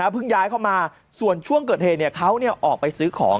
ย้ายเข้ามาส่วนช่วงเกิดเหตุเขาออกไปซื้อของ